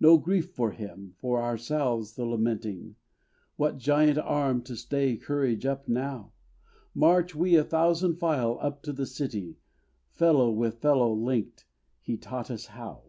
No grief for him, for ourselves the lamenting; What giant arm to stay courage up now? March we a thousand file up to the City, Fellow with fellow linked, he taught us how!